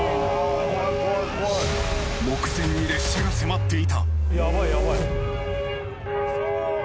［目前に列車が迫っていた］